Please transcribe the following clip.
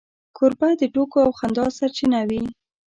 کوربه د ټوکو او خندا سرچینه وي.